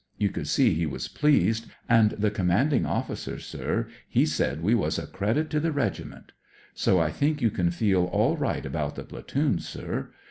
You could see he was pleased, and the Commanding Officer, sir, he said we was a credit to the Regiment; so I think you can feel all right about the platoon, sir.